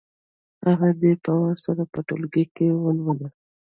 هغه دې په وار سره په ټولګي کې ولولي.